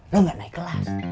lo ga naik kelas